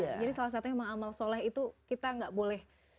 jadi salah satunya memang amal soleh itu kita gak boleh